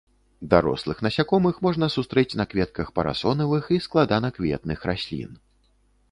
Дарослых насякомых можна сустрэць на кветках парасонавых і складанакветных раслін.